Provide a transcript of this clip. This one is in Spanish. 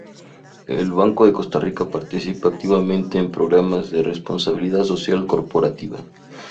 El Banco de Costa Rica participa activamente en programas de Responsabilidad Social Corporativa.